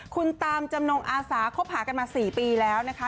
คุณตามจำนงอาสาคบหากันมา๔ปีแล้วนะคะ